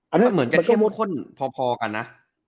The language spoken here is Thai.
มันเหมือนจะเทียบคนพอกันนะ